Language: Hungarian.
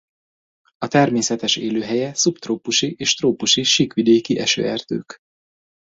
A természetes élőhelye szubtrópusi és trópusi síkvidéki esőerdők.